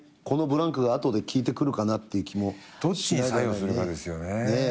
このブランクが後できいてくるかなっていう気もしないではないね。